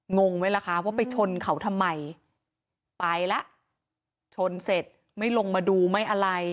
งงไหมล่ะคะว่าไปชนเขาทำไมไปแล้วชนเสร็จไม่ลงมาดูไม่อะไร